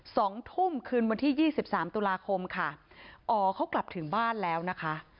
สองทุ่มคืนวันที่ยี่สิบสามตุลาคมค่ะอ๋อเขากลับถึงบ้านแล้วนะคะ